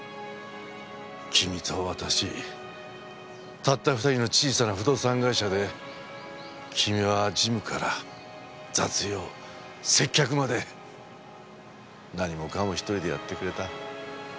君と私たった２人の小さな不動産会社で君は事務から雑用接客まで何もかも一人でやってくれた。